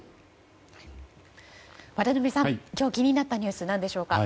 渡辺さん、今日気になったニュースは何でしょうか。